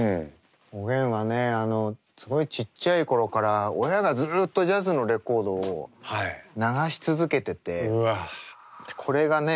おげんはねすごいちっちゃい頃から親がずっとジャズのレコードを流し続けててこれがね